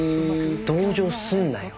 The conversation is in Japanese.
同情すんなよ。